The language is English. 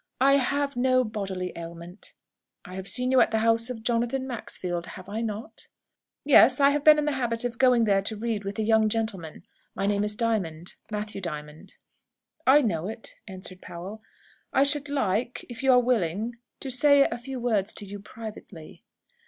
"I have no bodily ailment. I have seen you at the house of Jonathan Maxfield, have I not?" "Yes; I have been in the habit of going there to read with a young gentleman. My name is Diamond Matthew Diamond." "I know it," answered Powell. "I should like, if you are willing, to say a few words to you privately."